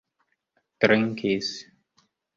trinkis